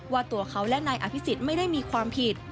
ว่าตัวเขาและนายอภิษฎไม่ได้มีความผิด